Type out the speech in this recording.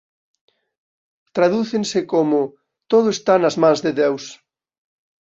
Tradúcense como "Todo está nas mans de Deus".